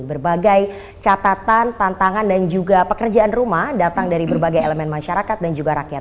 berbagai catatan tantangan dan juga pekerjaan rumah datang dari berbagai elemen masyarakat dan juga rakyat